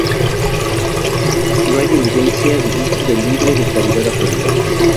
No hay evidencia de líquido libre de cavidad abdominal.